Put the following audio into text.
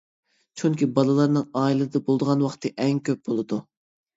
چۈنكى بالىلارنىڭ ئائىلىدە بولىدىغان ۋاقتى ئەڭ كۆپ بولىدۇ.